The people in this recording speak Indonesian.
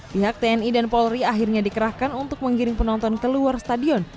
pihak tni dan polri akhirnya dikerahkan untuk menggiring penonton ke luar stadion